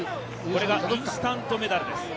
これがインスタントメダルです。